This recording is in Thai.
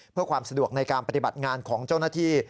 เพื่อความสะดวกในการปฏิบัติงานของเจ้าหน้าที่